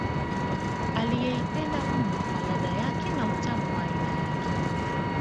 Aliyeipenda mno kwa ladha yake na utamu wa aina yake